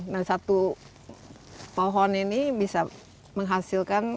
nah satu pohon ini bisa menghasilkan